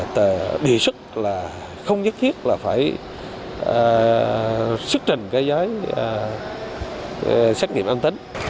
tờ đề xuất là không nhất thiết là phải sức trình cái giấy xét nghiệm an tính